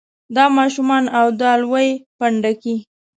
دا ماشومان او دا لوی پنډکی.